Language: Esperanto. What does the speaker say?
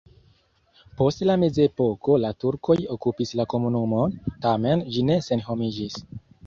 Post la mezepoko la turkoj okupis la komunumon, tamen ĝi ne senhomiĝis.